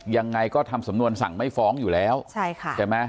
ยังไงก็ทำสำนวนสั่งไม่ฟ้องอยู่แล้วใช่ค่ะใช่ไหม